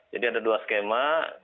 jadi ada dua skema